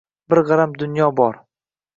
Bir g‘aram dunyo bor